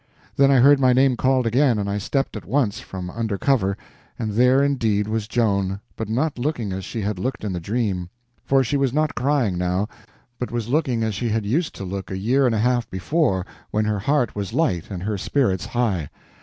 Then I heard my name called again, and I stepped at once from under cover, and there indeed was Joan, but not looking as she had looked in the dream. For she was not crying now, but was looking as she had used to look a year and a half before, when her heart was light and her spirits high.